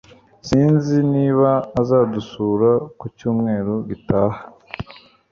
Sinzi niba azadusura ku cyumweru gitaha